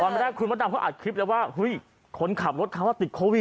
ตอนแรกคุณมดดำเขาอัดคลิปแล้วว่าเฮ้ยคนขับรถเขาติดโควิด